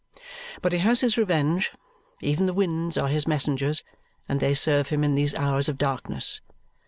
But he has his revenge. Even the winds are his messengers, and they serve him in these hours of darkness.